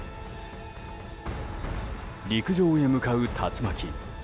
陸上へ向かう竜巻。